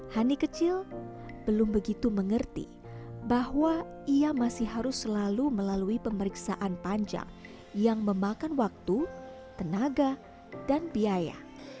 hani kecil belum begitu mengerti bahwa ia masih harus selalu melalui pemeriksaan panjang yang memakan waktu tenaga dan biaya